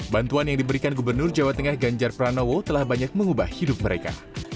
bantuan yang diberikan gubernur jawa tengah ganjar pranowo telah banyak mengubah hidup mereka